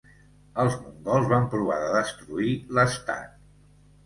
Els mongols van provar de destruir l'estat.